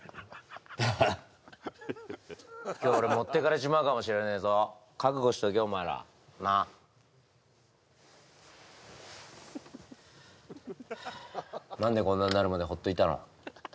だから今日俺持ってかれちまうかもしれねえぞ覚悟しとけお前らなあはあ何でこんなになるまでほっといたの？